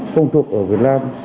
công thuộc ở việt nam